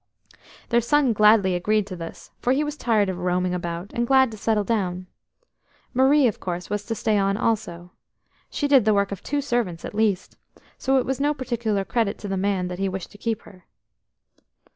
Their son gladly agreed to this, for he was tired of roaming about, and glad to settle down. Marie, of course, was to stay on also. She did the work of two servants at least, so it was no particular credit to the young man that he wished to keep her.